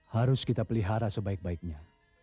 harus kita pelihara sebaik baiknya